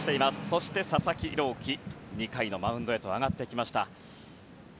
そして佐々木朗希２回のマウンドへと上がってきました。